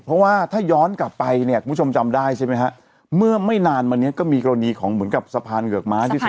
เพราะว่าถ้าย้อนกลับไปเนี่ยคุณผู้ชมจำได้ใช่ไหมฮะเมื่อไม่นานมาเนี้ยก็มีกรณีของเหมือนกับสะพานเกือกม้าที่สุด